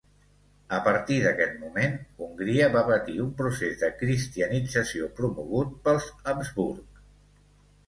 A partir d'aquest moment, Hongria va patir un procés de cristianització promogut pels Habsburg.